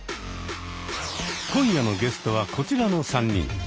今夜のゲストはこちらの３人。